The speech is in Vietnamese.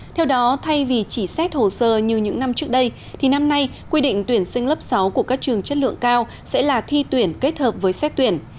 theo đó thay vì chỉ xét hồ sơ như những năm trước đây thì năm nay quy định tuyển sinh lớp sáu của các trường chất lượng cao sẽ là thi tuyển kết hợp với xét tuyển